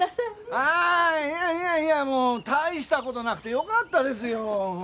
あいやいやいやもう大したことなくてよかったですよ。